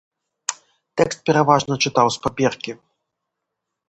Тэкст пераважна чытаў з паперкі.